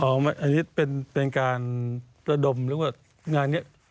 ว่ามันเป็นการดมลึกว่างานนี้